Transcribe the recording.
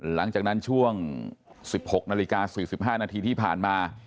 หลังจากนั้นช่วง๑๖นาฬิกา๔๕นาทีที่ผ่านมา